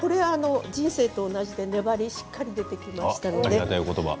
これは人生と同じで粘りがしっかり出てきましたので。